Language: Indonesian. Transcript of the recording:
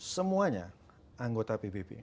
semuanya anggota pbb